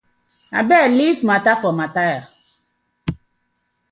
Abeg leave mata for Mathi.